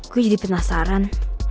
gue jadi penasaran